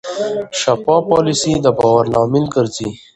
شفاف پالیسي د باور لامل ګرځي.